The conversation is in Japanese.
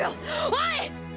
おい！